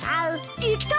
行きたい！